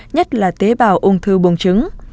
nhất là tế bào ung thư bồng trứng